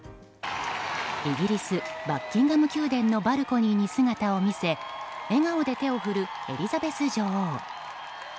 イギリス、バッキンガム宮殿のバルコニーに姿を見せ笑顔で手を振るエリザベス女王。